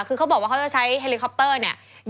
คือเขาบอกว่าเขาจะใช้เฮลิคอปเตอร์เนี่ย